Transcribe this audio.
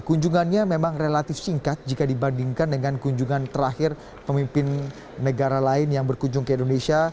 kunjungannya memang relatif singkat jika dibandingkan dengan kunjungan terakhir pemimpin negara lain yang berkunjung ke indonesia